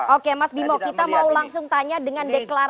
oke mas bimo kita mau langsung tanya dengan deklarasi